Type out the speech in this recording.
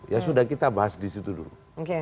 ya sudah kita bahas disitu dulu